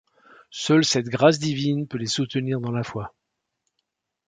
Seule cette grâce divine peut les soutenir dans la foi.